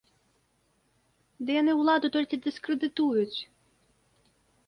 Ды яны ўладу толькі дыскрэдытуюць!